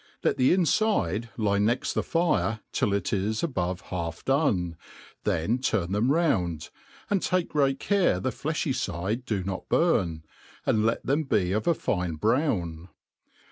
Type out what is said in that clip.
I«et the infide lie ne^t the fire till it is above half done ; then turn them, and take great care the jGiefhy fide do not burnj^ a|id Jet them be of a fine brown.